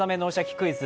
クイズ」